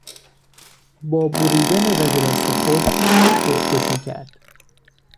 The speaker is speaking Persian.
با بریدن رگ دست خود خودکشی کرد.